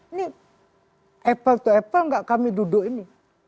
ini apple to apple nggak kami duduk ini